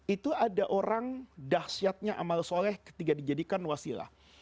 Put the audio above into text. itu ada orang dahsyatnya amal soleh ketika dijadikan wasilah